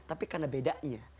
tapi karena bedanya